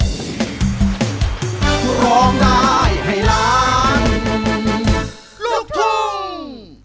ลูกทุ่งฝรั่งญี่ปุ่นเกาหลีต้องมาตัดกับโคลาด